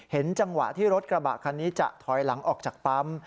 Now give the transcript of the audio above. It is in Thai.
จังหวะที่รถกระบะคันนี้จะถอยหลังออกจากปั๊ม